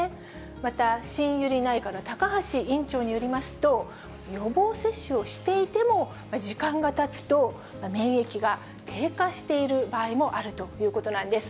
また、新ゆり内科の高橋院長によりますと、予防接種をしていても、時間がたつと免疫が低下している場合もあるということなんです。